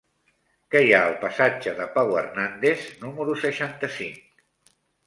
Què hi ha al passatge de Pau Hernández número seixanta-cinc?